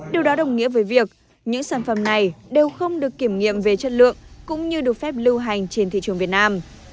điều đó đồng nghĩa với việc những sản phẩm này đều không được kiểm nghiệm về chất lượng cũng như được phép lưu hành trên thị trường việt nam